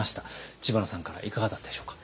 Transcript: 知花さんからいかがだったでしょうか？